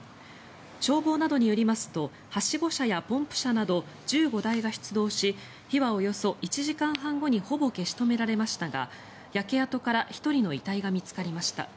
消防などによりますとはしご車やポンプ車など１５台が出動し火はおよそ１時間半後にほぼ消し止められましたが焼け跡から１人の遺体が見つかりました。